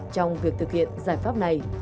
trong việc thực hiện giải pháp này